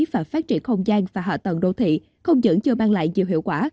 và phát triển không gian và hạ tầng đô thị không những chưa mang lại nhiều hiệu quả